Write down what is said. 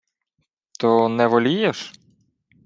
— То не волієш?